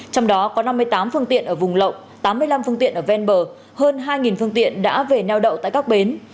trong đó có năm mươi tám phương tiện ở vùng lộng tám mươi năm phương tiện ở ven bờ hơn hai phương tiện đã về neo đậu tại các bến